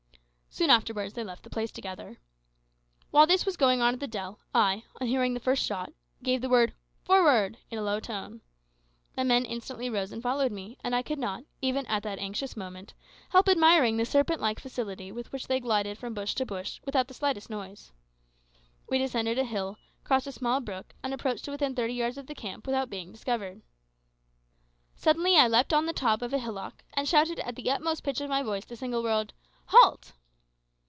Soon afterwards they left the place together. While this was going on at the dell, I, on hearing the first shot, gave the word "Forward!" in a low tone. My men instantly rose and followed me, and I could not, even at that anxious moment, help admiring the serpent like facility with which they glided from bush to bush, without the slightest noise. We descended a hill, crossed a small brook, and approached to within thirty yards of the camp without being discovered. Suddenly I leaped on the top of a hillock, and shouted at the utmost pitch of my voice the single word "Halt!"